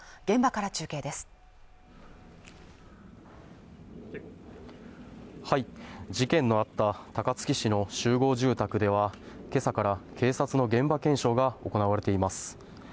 現場から中継です事件のあった高槻市の集合住宅ではけさから警察の現場検証が行われています